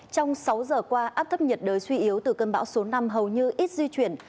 trong sáu giờ qua áp thấp nhiệt đới suy yếu từ cơn bão số năm hầu như ít di chuyển